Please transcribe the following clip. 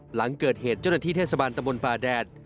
หลังเกิดเหตุเจ้าหน้าที่เทศบาลตะบนฝ่าแดด